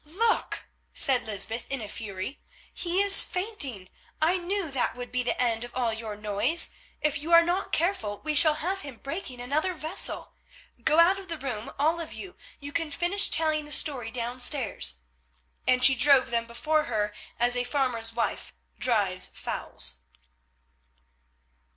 "Look," said Lysbeth in a fury, "he is fainting; I knew that would be the end of all your noise. If you are not careful we shall have him breaking another vessel. Go out of the room, all of you. You can finish telling the story downstairs," and she drove them before her as a farmer's wife drives fowls.